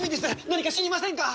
何か知りませんか？